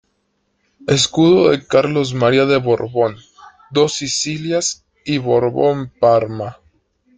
Escudo de Carlos María de Borbón-Dos Sicilias y Borbón-Parma.